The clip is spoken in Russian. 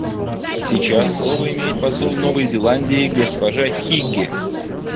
Сейчас слово имеет посол Новой Зеландии госпожа Хигги.